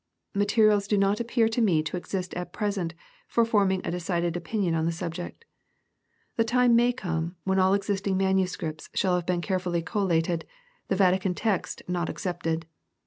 Materials do not appear to me to exist at present for forming a decided opinion on the subject. The time may come when all existing manuscripts shall have been carefiilly collated, the Vatican text not ex cepted.